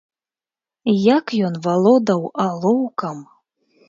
Як ён валодаў алоўкам!